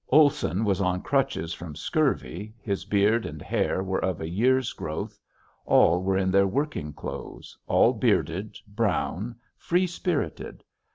Olson was on crutches from scurvy, his beard and hair were of a year's growth; all were in their working clothes, all bearded, brown, free spirited.